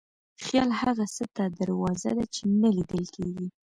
خیال هغه څه ته دروازه ده چې نه لیدل کېږي.